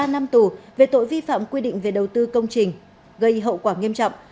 ba năm tù về tội vi phạm quy định về đầu tư công trình gây hậu quả nghiêm trọng